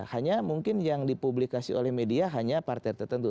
hanya mungkin yang dipublikasi oleh media hanya partai tertentu